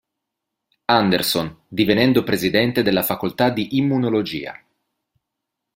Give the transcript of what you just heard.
Anderson, divenendo presidente della facoltà di Immunologia.